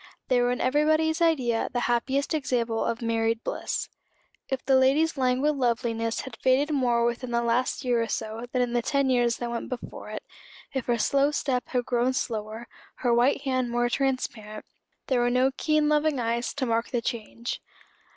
They were in everybody's idea the happiest example of married bliss. If the lady's languid loveliness had faded more within the last year or so than in the ten years that went before it, if her slow step had grown slower, her white hand more transparent, there were no keen loving eyes to mark the change.